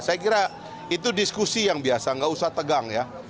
saya kira itu diskusi yang biasa nggak usah tegang ya